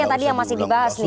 tadi yang masih dibahas nih